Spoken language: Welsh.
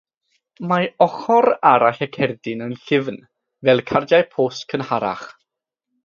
Mae ochr arall y cerdyn yn llyfn, fel cardiau post cynharach.